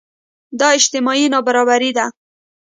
دا اجتماعي نابرابري ده.